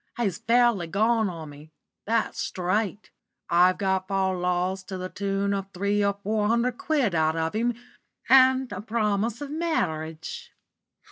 He's fairly gone on me that's straight. I've got fal lals to the tune of three or four hundred quid out of him, and a promise of marriage."